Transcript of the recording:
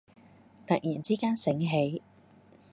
突然之間醒起